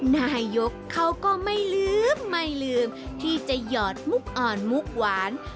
นายกเขาก็ไม่ลืมไม่ลืมที่จะหยอดมุกอ่อนมุกหวาน